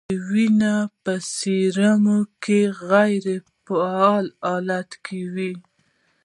یا د وینې په سیروم کې په غیر فعال حالت کې وي.